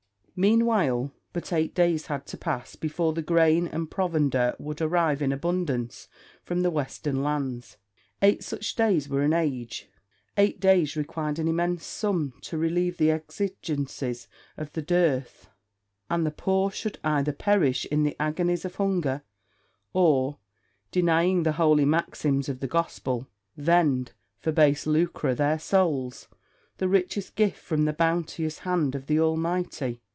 Meanwhile, but eight days had to pass before the grain and provender would arrive in abundance from the western lands. Eight such days were an age. Eight days required an immense sum to relieve the exigencies of the dearth, and the poor should either perish in the agonies of hunger, or, denying the holy maxims of the Gospel, vend, for base lucre, their souls, the richest gift from the bounteous hand of the Almighty.